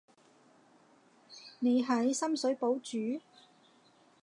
你喺深水埗住？